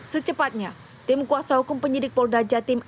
secepatnya tim kuasa hukum penyidik polda jatim